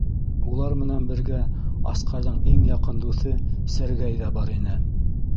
Улар менән бергә Асҡарҙың иң яҡын дуҫы Сәргәй ҙә бар ине.